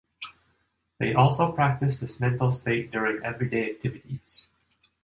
They also practice this mental state during everyday activities.